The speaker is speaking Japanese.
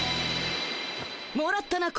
もらったな